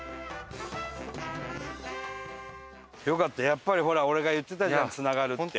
やっぱりほら俺が言ってたじゃん「つながる」って。